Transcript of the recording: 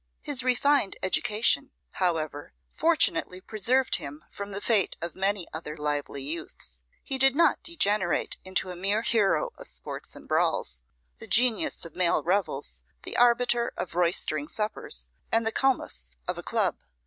His refined education, however, fortunately preserved him from the fate of many other lively youths: he did not degenerate into a mere hero of sports and brawls, the genius of male revels, the arbiter of roistering suppers, and the Comus of a club.